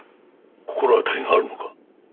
心当たりがあるのか？